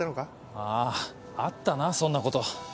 あぁあったなそんなこと。